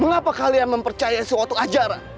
mengapa kalian mempercaya suatu ajaran